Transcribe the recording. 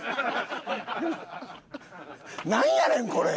なんやねんこれ！